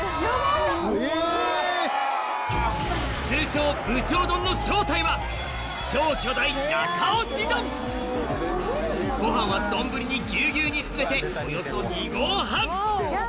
通称部長丼の正体はご飯は丼にギュウギュウに詰めておよそ２合半！